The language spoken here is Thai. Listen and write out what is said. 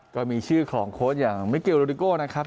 ก็มีชื่อของโค้ชอย่างมิเกลโรดิโก้นะครับ